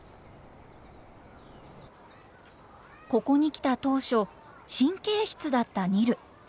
ここに来た当初神経質だったニル。